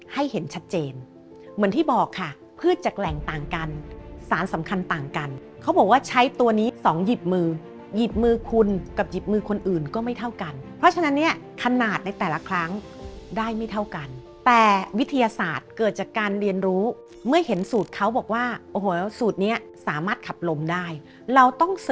เห็นชัดเจนเหมือนที่บอกค่ะพืชจากแหล่งต่างกันสารสำคัญต่างกันเขาบอกว่าใช้ตัวนี้สองหยิบมือหยิบมือคุณกับหยิบมือคนอื่นก็ไม่เท่ากันเพราะฉะนั้นเนี่ยขนาดในแต่ละครั้งได้ไม่เท่ากันแต่วิทยาศาสตร์เกิดจากการเรียนรู้เมื่อเห็นสูตรเขาบอกว่าโอ้โหสูตรนี้สามารถขับลมได้เราต้องส